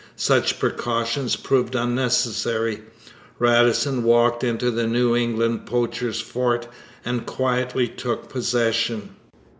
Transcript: Such precautions proved unnecessary. Radisson walked into the New England poacher's fort and quietly took possession.